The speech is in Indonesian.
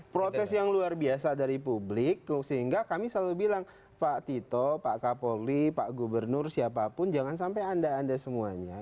protes yang luar biasa dari publik sehingga kami selalu bilang pak tito pak kapolri pak gubernur siapapun jangan sampai anda anda semuanya